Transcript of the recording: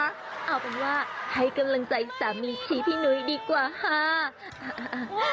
เอาเป็นว่าให้กำลังใจสามีชี้พี่นุ้ยดีกว่าค่ะ